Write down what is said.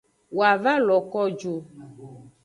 Woa va lo ko ju.